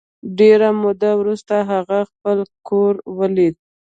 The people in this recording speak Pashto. ډېره موده وروسته هغه خپل کور ولید